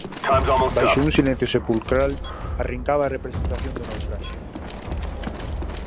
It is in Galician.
Baixo un silencio sepulcral arrincaba a representación do naufraxio.